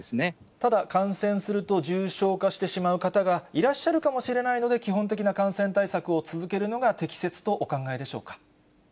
ただ、感染すると重症化してしまう方がいらっしゃるかもしれないので、基本的な感染対策を続けるのが適切とお考えでしょうか。